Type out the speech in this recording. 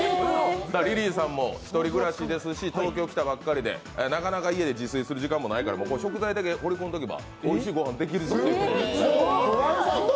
リリーさんも１人暮らしですし、東京に来たばっかりでなかなか家で自炊する時間もないから食材だけ放り込んでおけばおいしいご飯ができる。